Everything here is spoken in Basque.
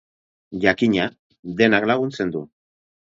Jakina, denak laguntzen du.